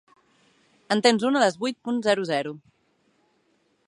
En tens un a les vuit punt zero zero.